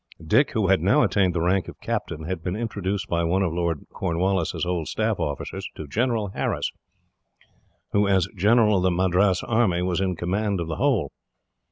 Dick, who had now attained the rank of captain, had been introduced by one of Lord Cornwallis's old staff officers to General Harris, who, as general of the Madras army, was in command of the whole.